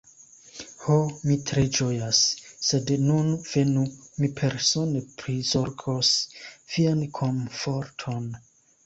Ho, mi tre ĝojas; sed nun venu, mi persone prizorgos vian komforton.